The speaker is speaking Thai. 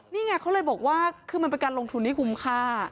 นี่ไงเขาเลยบอกว่าคือมันเป็นการลงทุนที่คุ้มค่า